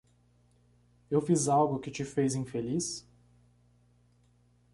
Eu fiz algo que te fez infeliz?